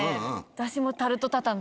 私もタルトタタン